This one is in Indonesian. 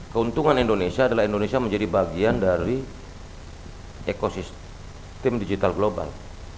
keuntungan indonesia adalah indonesia menjadi bagian dari ekosistem digital global